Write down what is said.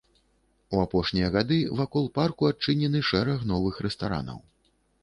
У апошнія гады вакол парку адчынены шэраг новых рэстаранаў.